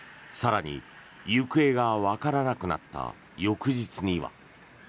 更に、行方がわからなくなった翌日には。